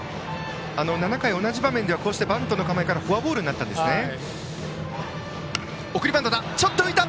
７回、同じ場面ではバントの構えからフォアボールになりました。